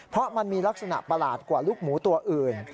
เพราะมันมีลักษณะประหลาดกว่าลูกหมูตัวอื่น